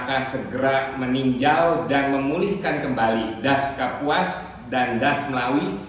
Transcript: agar klhk segera meninjau dan memulihkan kembali das kapuas dan das melawi